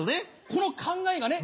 この考えがね